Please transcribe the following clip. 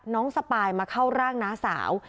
น้องสปายมาเข้าร่างนะสาว